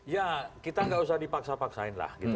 ya kita gak usah dipaksa paksain lah